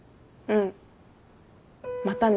うん。